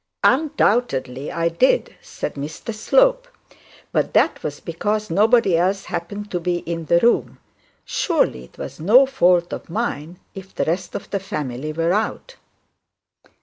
'Undoubtedly I did,' said Mr Slope, 'but that was because nobody else happened to be in the room. Surely it was no fault of mine if the rest of the family were out.'